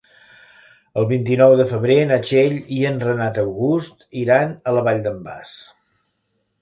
El vint-i-nou de febrer na Txell i en Renat August iran a la Vall d'en Bas.